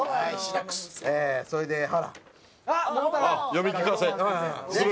読み聞かせする？